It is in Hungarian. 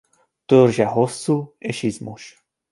Törzse hosszú és izmos.